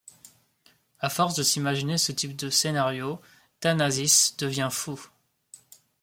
À force de s'imaginer ce type de scénario, Thanasis devient fou.